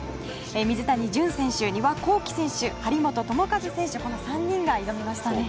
水谷隼選手、丹羽孝希選手張本智和選手の３人が挑みましたね。